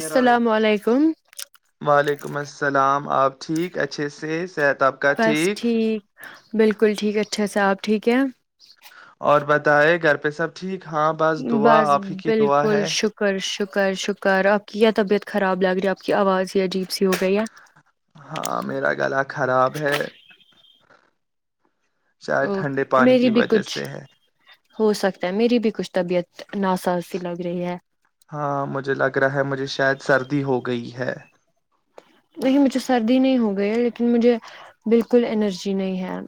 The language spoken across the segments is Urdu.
السلام علیکم وعلیکم السلام آپ ٹھیک اچھے سے س بس ٹھیک بالکل ٹھیک اچھا صاحب ٹھیک ہے اور بتائے گھر پہ سب ٹھیک ہاں بس دعا آف ہی کی دعا بالکل ہے شکر شکر شکر آپ کی کیا طبیعت خراب لگ رہی ہے آپ کی آواز ہی عجیب سی ہو گئی ہے ہاں میرا گلا خراب ہے شاید اور ٹھنڈے پانی میری کی بھی وجہ کچھ سے ہے ہو سکتا ہے میری بھی کچھ طبیعت ناساازی لگ رہی ہے ہاں مجھے لگ رہا ہے مجھے شاید سردی ہو گئی ہے نہیں مجھے سردی نہیں ہو گئی لیکن مجھے بالکل انرجی نہیں ہے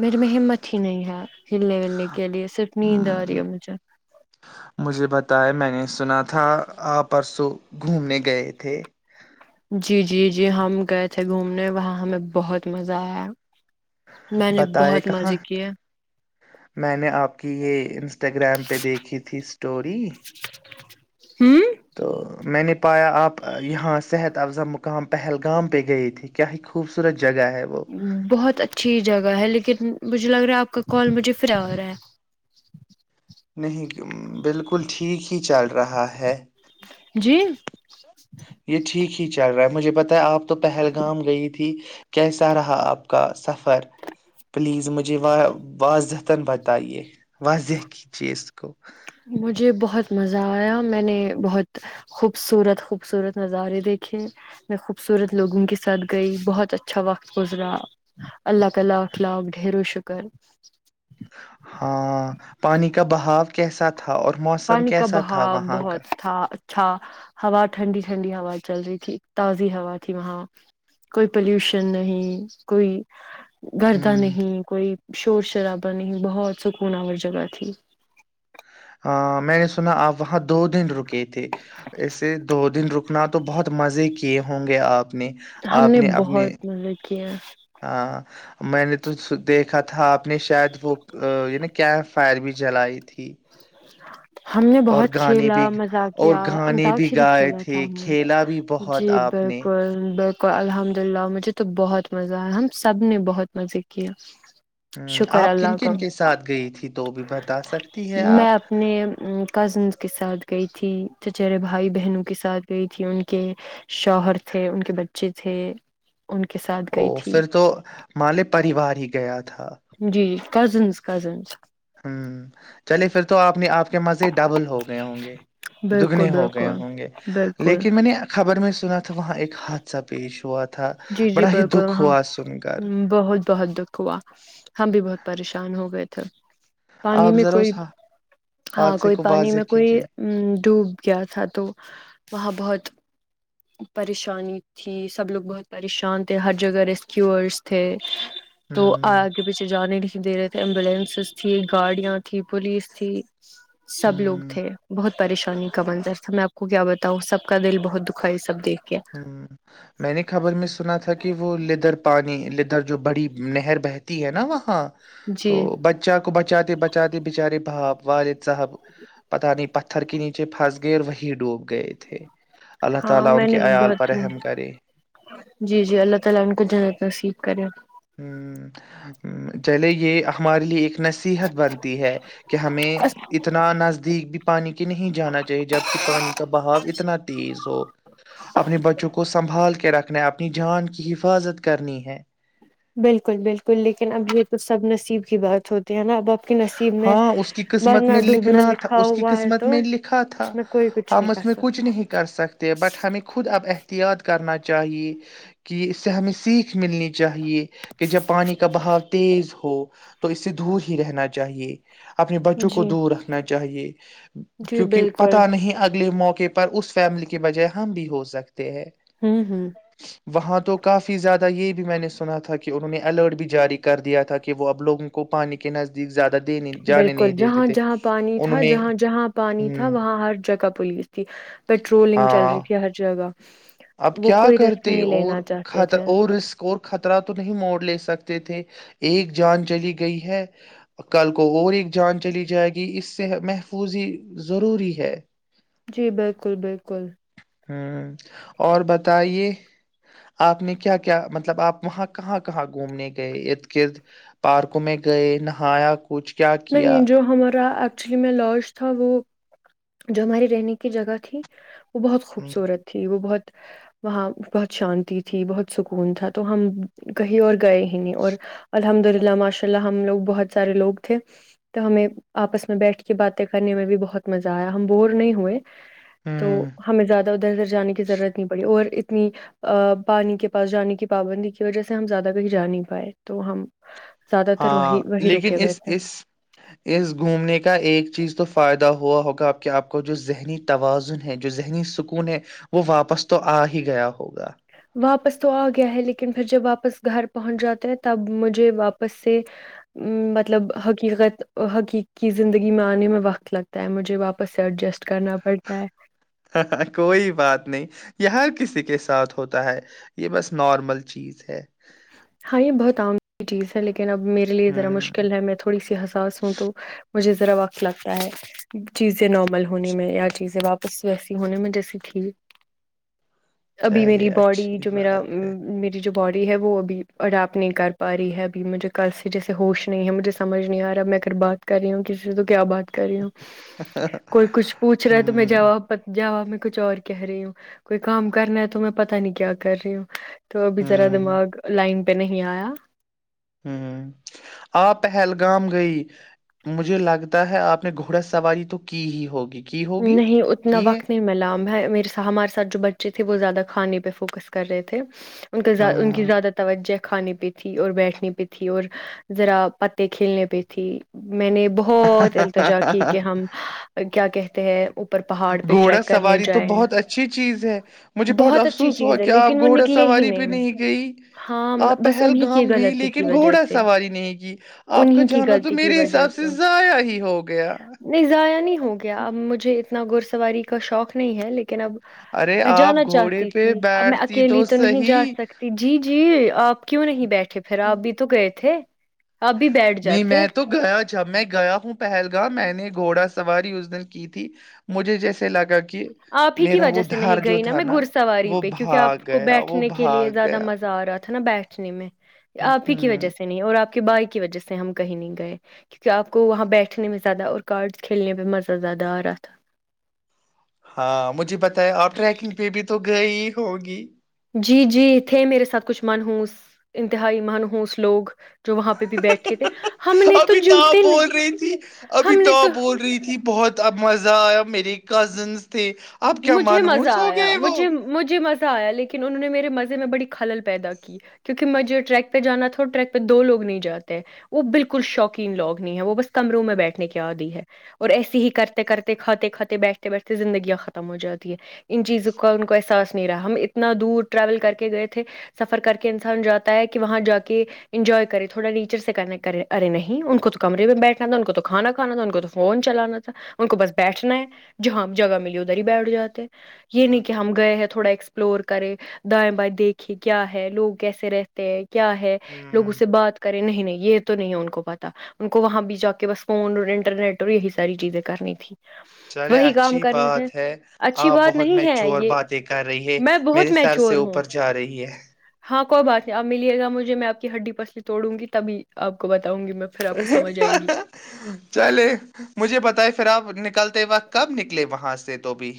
میرے میں ہمت ہی نہیں ہے ہلنے ملنے کے لیے صرف نیند آ رہی ہم، ہے مجھے مجھے بتائے میں نے سنا تھا آ پرسوں گھومنے گئے تھے جی جی جی ہم گئے تھے گھومنے وہاں ہمیں بہت مزہ آیا میں نے بتائے بہت کہاں مزے کیے میں نے آپ کی یہ انسٹاگرام پہ دیکھی تھی اسٹوری تو میں نے پایا آپ یہاں صحت افزا مقام پہلگام پہ گئے تھے کیا ہی خوبصورت جگہ ہے وہ بہت اچھی جگہ ہے لیکن مجھے لگ رہا آپ کا کال مجھے پھرا ہو رہا ہے نہیں بالکل ٹھیک ہی چل رہا ہے [inaudible] یہ ٹھیک ہے چل رہا ہے مجھے بت آپ تو پہلگام گئی تھی کیسا رہا آپ کا سفر پلیز مجھے واضحتا بتائیے واضح کیجیے اس کو مجھے بہت مزہ آیا میں نے بہت خوبصورت خوبصورت نظارے دیکھے میں خوبصورت لوگوں کے ساتھ گئی بہت اچھا وقت گزرا اللہ تعال اخلا ڈھیر و شکر ہاں پانی کا بہاؤ کیسا تھا اور موسم پانی کا کیسا تھا بہاؤ وہاں کا بہت تھا ھا ہوا ٹھنڈی ٹھنڈی ہوا چل رہی تھی تازی ہوا تھی وہاں کوئی پلیوشن نہیں کوئی گرد ہ نہیں کوئی شور شرابا نہیں بہت سکونور جگہ تھی ا میں نے سنا آپ وہاں دو دن رکے تھ تھے ایسے دو دن رکنا تو بہت مزے کی کیے ہوں گے آپ نے ہم آپ نے اپنے بہت ملب کیا ہاں میں نے تو دیکھا تھا تھا آپ نے شاید وہ یعنی کیمپ فائر بھی جلائی تھی [inaudible] ہم نے اور بہت گانے کھیلا بھی مزا اور کیا گانے بھی انتاکشری گائے کھیلا تھا تھے ہم نے کھیلا بھی بہت جی آپ نے بالکل بالکل الحمد للہ مجھے تو بہت مزہ آ ہم سب نے بہت مزے کیے ہ آپ کن کن کے ساتھ گئی تھی تو بھی بتا سکتی ہے میں آپ اپنے کزنس کے ساتھ گئی تھی چچہرے بھائی بہنوں کے ساتھ گئی تھی ان کے شوہر تھے ان کے بچے تھے ان کے ساتھ او گئی تھی پھر تو مالے پریوار ہی گیا تھا جی جی کزنس کزنس ہوں چلے پھر تو آپ نے آپ مزے ڈبل ہو گئے ہوں گے بالکل دگنے ہو گئے بالکل ہوں گے بالکل لیکن میں نے خبر میں س ثناتھ وہاں ایک حادث پیش وعت جی جی بالکل وہاں بہت بہت دکھ ہوا ہم بھی بہت پریشان ہو گئے تھے تھینکو پانی آپ میں ذرا کوئی اس ہا- ہاں حادثے کوئی کو پانی میں واضح کوئی کیجیے ڈوب گیا تھا تو وہاں بہت پریشانی تھی سب لوگ بہت پریشان تھے ہر جگہ ریسکیورس تھے تو ہوں اگے پیچھے جان لی دے رہے تھے ایمبولینسز تھی گاڑیاں تھی پولیس تھی سب لوگ ہوں تھے بہت پریشانی کا منظر تھا میں کو کیا بتاؤ سب کا دل بہت د کھائی سبتی ہ میں نے خبر میں سنا تھا کہ وہ لدر پانی ل ادھر جو بڑی نہر بہتی ہے نا وہاں تو جی بچہ کو بچ بچاتے بچاتے بچارے بھاپ والد حب پتہ آ ن نہیں پتھر کینی چچے پس غیر وہی ڈوب گئے تھے اللہ ہاں تعالی میں کے عیال بہت پر سی رحم کرے جی جی اللہ تعالا ان کو جنت نصیب کرے ہمم چلے یہ ہمارے لیے ایک نصیحت بنتی ہے کہ ہمیں اتنا نزدیک پانی کے نہیں جانا چاہیے جبکہ پانی کا بہاؤ اتنا تیز ہو اپنے بچوں کو سنبھال کے رکھنا اپنی جان کی حفاظت کرنی ہے بالکل بالکل لیکن اب یہ تو سب نصیب کی بات ہوتی ہے نا اب آپ کے نصیب میں ہاں اس کی قسمت مرنا میں ڈوبنا لکھنا تھا لکھا اس کی ہوا ہے قسمت تو میں لکھا تھا اس میں کوئی کچھ ہم نہیں کر اس میں کچھ سکتا نہیں کر سکتے بٹ ہمیں خود اب احتیاط کرنا چاہیے کہ اس سے ہمیں سیکھ ملنی چاہیے کہ جب پانی کا بہاؤ تیز ہو تو اس سے دور ہی رہنا چاہیے اپنے بچوں کو جی دور رکھنا چاہیے [inaudible] جی کیونکہ بالکل پتا نہیں اگلے موقع پر اس فیملی کے بجائے ہم بھی ہو سک تے ہے ہوں ہوں وہاں تو کافی زیادہ یہ بھی میں نے سنا تھا کہ انہوں نے الرٹ بھی جاری کر دیا تھا کہ وہ اب لوگوں کو پانی کے نزد دیگ زیادہ دینے جانے بالکل نہیں دیتے جہاں تھے جہاں پانی انہوں تھا نے جہاں جہاں پانی تھا ہ وہاں ہر جگہ پولیس تھی پیٹرولنگ چل رہی ہاں تھی ہر جگہ اب وہ کیا کوئی رسک کرتے نہیں اور لینا چاہتے خط تھے اور رسک اور خطرہ تو نہیں مول لے سکتے تھے ایک جان چلی گئی ہے کل کو اور ایک جان چلی جائے گی اس سے محفوظ ہی ضروری ہے جی بالکل بالکل ہمم اور بتائیے آپ نے کیا کیا مطلب آپ وہاں کہاں کہاں گھومنے گئے ارد گرد پارکوں میں گئے نہایا کچھ کیا نہیں کیا جو ہمارا ایکچولی میں لاج تھا وہ جو ہماراری رہنے کی جگہ تھی وہ بہت ہ خوبصورت تھی وہ بہت وہاں بہت شانتی تھی بہت سکون تھا تو ہم کہیں اور گئے ہی نہیں اور الحمد للہ ماشاء اللہ ہم لوگ بہت سارے لوگ تھے تو ہمیں آپس میں بیٹھ کے باتیں کرنے میں بھی بہت مزہ آیا ہم بور نہیں ہوئے تو ہمیں زیادہ ادھر ادھر جانے کی ضرورت نہیں پڑی اور اتنی پانی کے پاس جانے کی پابندی کی وجہ سے ہم زیادہ کہیں جا نہیں پائے تو ہم زیادہ تر وہی ہاں وہی رکے لیکن ہوئے اس تھے اس گھومنے کا ایک چیز تو فائدہ ہوا ہوگا اپ کہ آپ کو جو ذہنی توازن ہے جو ذہنی سکون ہے وہ واپس تو آ ہی گیا ہو واپس تو آ گیا ہے لیکن پھر جب واپس گھر پہنچ جاتے ہیں تب مجھے واپس سے مطلب حقیقت حقیق کی زندگی میں آنے میں وقت لگتا ہے مجھے واپس سے ایڈجسٹ کرنا پڑتا ہے ہ کوئی بات نہیں یہ ہر کسی کے ساتھ ہوتا ہے یہ بس نارمل چیز ہے ہاں یہ بہت عام چیز ہے لیکن کہ ن میرے لیے ذرا ہوں مشکل ہے میں تھوڑی سی حساس ہوں تو مجھے ذرا وقت لگتا ہے چیزیں نارمل ہونے اچھا میں یا چیزیں واپس ویسی ہونے میں جیسی ٹھیک ابھی میری چلیے باڈی اچھی جو میرا بات ہے میری جو باڈی ہے وہ ابھی اور آپ نہیں کر پا رہی ہے ابھی مجھے کل سے جیسے ہوش نہیں ہے مجھے سمجھ نہیں آ رہا ہے میں اگر بات کر رہی ہوں کسی سے تو کیا بات کری ہوں کوئی کچھ پوچھ رہا ہے تو میں ہوں جاا جاا میں کچھ اور کہہ رہی ہوں کوئی کام کرنا ہے تو میں پتا نہیں کیا کر رہی ہوں توب جذرا ہوں دماغ لائن پہ نہیں آیا ہ آپ پہلگام گئی مجھے لگتا ہے آپ نے گھوڑا سواری تو کی ہی ہوگی کی ہوگی نہیں اتنا کی ہے وقت نہیں ملام ہے میرے سا ہمارے ساتھ جو بچے تھے وہ زیادہ کھانے پہ فوکس کر رہے تھے ان کا ان کی ہاں زیادہ توجہ کھانے پہ تھی اور بیٹھنی پہ تھی اور ذرا پتے کھیلنے پہ تھی میں نے بہت التجا کی کہ ہم کیا کہتے ہیں ا گھوڑا سواری تو بہت اچھی چیز ہے مجھے بہت اچھی افسوس ہوا چیز ہے کہ آپ لیکن وہ گھوڑا نکلے ہی سواری پہ نہیں گئی ہاں م- آپ بس انہیں کی پہلگام گئی غلطی لیکن کی وجہ گھوڑا سے سواری نہیں کی آپ کا انہیں کی جانا تو غلطی کی میرے وجہ حساب سے ضائع ہی ہو گیا نہیں ضائع نہیں ہو گیا اب مجھے اتنا گھڑ سواری کا شوق نہیں ہے لیکن اب ارے میں جانا آپ گھوڑے چاہتی پہ تھی اب میں بیٹھتی اکیلی تو نہیں جا صحیح سکتی جی جی آپ کیوں نہیں بیٹھے پھر آ اب بھی تو گئے تھے آپ بھی بیٹھ نہیں جاتے میں تو گیا جب میں گیا ہوں پہلگام میں نے گھوڑا سے سواری اس دن کی تھی مجھے جیسے لگا کہ آپ ہی کی میرا وجہ وہ سے نہیں ڈر جو گئی نا تھا میں گھڑ سواری وہ پہ کیونکہ بھاگ آپ کو گیا وہ بیٹھنے کے لیے بھاگ زیادہ گیا مزہ آ رہا تھا ا نا بیٹھنی میں آپ ہی کی ہ وجہ سے نہیں اور آپ بائی کی وجہ سے ہم کہیں نہیں گئے کیونکہ آپ کو وہاں بیٹھنے میں زیادہ اور کارڈس کھیلنے میں مزہ زیادہ آ رہا تھا ہاں مجھے بتایا آپ ٹریکنگ پہ بھی تو گئی ہی ہوگی جی، جی، تھے میرے ساتھ کچھ منحوس انتہائی مانہوس لوگ جو وہاں پہ بھی بیٹھے تھے ہم نے ابھی تو آپ جویتے ن بول رہی تھی ابھی ہم نے تو آپ بول رہی تھی بہت اب مزہ آیا میری کزنس تھے اب کیا مجھے مزہ منحوس ہو آیا گئے وہ مجھے مجھے مز آیا لیکن انہوں نے میرے مزے میں بڑ خل پیدا کیونکہ مجھے ٹریک پہ جانا تھا ٹریک پہ دو لوگ نہیں جے وہ بالکل شوقین لوگ نہیں ہے وہ بس کمروں میں بیٹھنے کے عادی ہے اور ایسے ہی کرتے کرتے کھاتے کھاتے بیٹھتے بیٹھتے زندگیاں خم ہو جاتی ہے ان چیزوں کا ان کو احساس نہیں رہا ہم اتنا دور ٹریول کر کے گئے تھے سفر کر کے انسان جاتا ہے کہ وہاں جا کے انجوائے کرے تھوڑا نیچر سے کنٹ کرے ارے نہیں ان کو تو کمرے میں بیٹھنا تھا ان کو تو کھانا کھانا تھا ان کو تو فون چلانا تھا ان کو بس بیٹھنا ہے جہاں جگہ م دری ب بیڈ جاتے یہ نہیں کہ ہم گئے ہیں تھوڑا ایکسپ سپلور کرے دائیں بائیں دیکھیں کیا ہے لوگ کیسے رہتے ہیں کیا ہے لوگ اس ہوں سے بات کریں نہیں نہیں یہ تو نہیں ان کو پتا ان کو وہاں بھی جا کے بس فون اور انٹرنیٹ اور یہی ساری چیزیں کرنی تھی چلے وہی کام اچھی کرنے تھے بات ہے اچھی آپ بات بہت نہیں ہے مچور یہ باتیں کر رہی ہے میں بہت میرے سر سے میچور ہوں اوپر جا رہی ہے ہاں کوئی بات نہیں اب ملیے گا مجے میں آ کی ہڈی پسلی توڑوں گی تبھی آپ کو بتا چلے مجھے بتائے پھر آپ نک کلتے وق کب نکلے وہاں سے تو بھی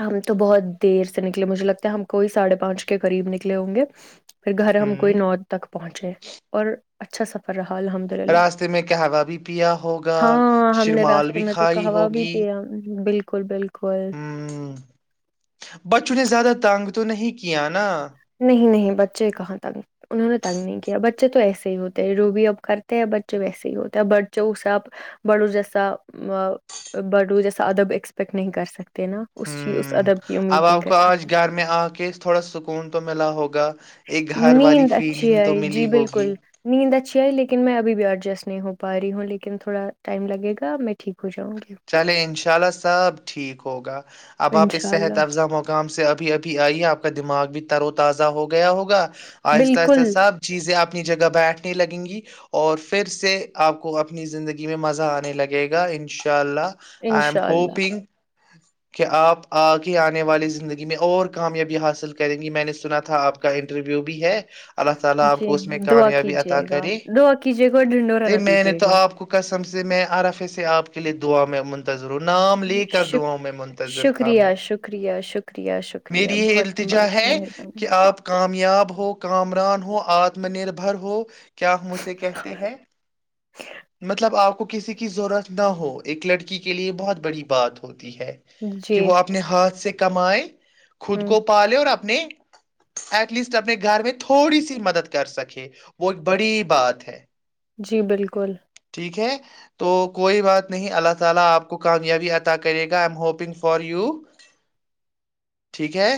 ہم تو بہت دیر سے نکلے مجھے لگتا ہے ہم کوئیاڑھے پانچ کے قریب نکلے ہوں گے پھر گھر ہم ہ کوئی نو تک پہنچے اور اچھا سفر رہا الحمد للہ راستے میں قہوا بھی پیا ہوگا ہاں ہم نے شرمال راستے بھی کھائی ہوگی ک ب [unintelligible] [unintelligible] ہوں بچوں نے زیادہ تانگ تو نہیں کیا کیاانا نہیں نہیں بچے کہاں تنگ انہوں نے تنگ نہیں کیا بچے تو ایسے ہی ہوتے رو بھی اب کرتے ہیں بچے ویسے ہی ہوتے ہیں بچے اس سے آپ بڑو جیسا بڑو جیسا ادب اسپیکٹ نہیں کر سکتے نا اس چیز اس ہوں ادب کی امید اب آ نہیں کر کو آج سکتے گھر میں آ کے تھوڑا سک کون تو ملا ہوگا ایک گھر والی نیند اچھی فیلنگ تو آئی جی ملی بالکل ہوگی نیند اچھی آئی لیکن میں ابھی بھی آڈ جسٹ نہیں ہو پا رہی ہوں لیکن تھوڑا ٹائم لگےا اب میں ٹھیک ہو جاؤں گی چلے ان شاء اللہ سب ٹھیک ہوگا اب آپ اس انشاء صحت اللہ افزا مقام سے ابھی ابھی آئیے آپ کا دماغ بھی ترو تازہ ہوگا گیا ہوگا آہستہ بالکل آہستہ سب چیزیں آپ کے نی جگہ بیٹھنے لگیں گی اور پھر سے آپ کو اپنی زندگی میں مزہ آنے لگے گا ان شاء چاللہاک آئی ایم انشاء اللہ ہوپگ کہ آپ آ کے آنے والی زندگی میں اور کامیابی حاصل کریں گی میں نے سنا تھا آپ کا انٹرویو بھی ہے اللہ تعالی آپ جی کو اس میں دعا کامیابی عطا کیجیے گا کرے دعا کیجیے گا اور ڈھنڈورا نہ میں نے پیٹیے تو گا آپ کو کیسے سم سےے میں آرفے سے آپ کے لیے دعا میں منتظ وں نام لے کر شک داں میں منتظر تھا میں شکریہ شکریہ شکریہ شکریہ میری یہ بہت التجا آپ ہے کی کہ مہربانی آپ کام یاب ہو کامران ہو آتم نربھر ہو کیا مجھے کہتے ہیں مطلب آپ کو کسی کی ضرورت نہ ہو ایک لڑکی کے لیے بہت بڑی بات ہوتی ہے کہ جی وہ اپنے ہاتھ سے کمائی خود ہ کو پا لے اور آپ اپنے ایٹ لیسٹ اپنے گھر میں تھوڑی سی مدد کر سکے وہ ایک بڑی بات ہے جی بالکل ٹھیک ہے تو کوئی بات نہیں اللہ تعالی آپ کو کامیابی عطا کرے گا I am hoping for you ٹھیک ہے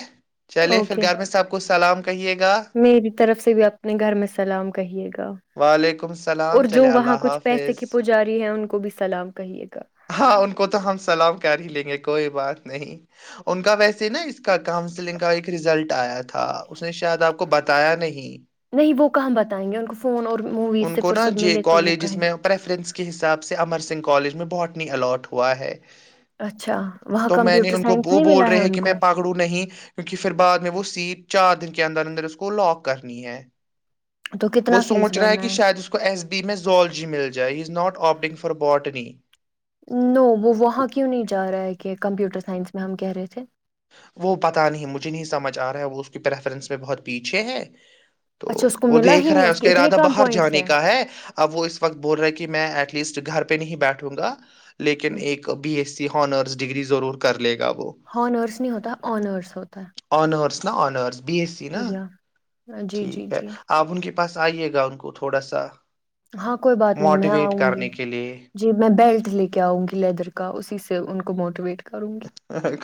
چلیے پھر اوکے گھر میں سب کو سلام کہیے گا میری طرف سے بھی اپنے گھر میں سلام کہیے گا وعلیکم السلام اور جو چلے وہاں اللہ کچھ پیسے کی پجاری ہے ان کو بھی سلام کہیے گا ہاں ان کو تو ہم سلام کر ہی لیں گے کو کو بات نہیں ان کا ویسے نا اس کا کاؤنسلنگ کا ایک ریزلٹ آیا تھا اس نے شاید آپ کو بتایا نہیں نہیں وہ کہاں بتائیں گے ان کو فون اور موویز سے فرصت ملے تو وہ کہیں گ پریفرینس کے حساب سے امر سنگھ کالج میں بہٹنی الاٹ ہوا ہے اچھا وہاں تو میں نے کمپیوٹر ان کو سائنس وہ نہیں بول ملا رہے ہے ہیں ان کہ میں کو پکڑوں نہیں کیونکہ پھر بعد میں وہ سیٹ چار دن کے اندر اندر اس کو لاک کرنی ہے تو وہ کتنا فیس سوچ رہا ہے بھرنا کہ شاید اس کو ایس بی میں زولج مل جائے is not opting for botany no وہ وہاں کیوں نہیں جا رہا ہے کہ کمپیوٹر سائنس میں ہم کہہ رہے تھے وہ پتہ نہیں مجھے نہیں سمجھ آ رہا ہے وہ اس کی پریفرنس میں بہت پیچھے ہے تو اچھا اس کو وہ ملا دیکھ ہی رہا نہیں ہے اس کے کا اتنے ارادہ کم باہر پوائنٹس جانے کا ہے اب وہ اس وقت بول رہا ہے کہ میں ایٹ لیسٹ گھر پہ نہیں بیٹھوں گا لیکن ایک B S C honours degree ضرور کر لے گا کیا وہ [unintelligible] ہانرس نہیں ہوتا آنرس ہوتا اپ [unintelligible] آنرز بی ایس سی نا ہے یا جی جی ٹھیک ہے جی آپ ان کے پاس آئیے گا ان کو تھوڑا سا ہاں کوئی بات نہیں میں موٹیویٹ آؤں کرنے گی کے لیے جی میں بیلٹ لے کے آؤں گی لیدر کا اسی سے ان کو موٹیویٹ کروں گی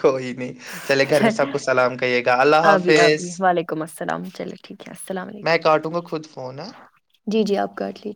کوئی نہیں چلے گھر میں چل، سب کو سلام کہے گا اللہ ابھی حافظ ابھی وعلیکم السلام چلے ٹھیک ہے السلام میں علیکم کاٹوں گا خود فون ہ کا لی [unintelligible]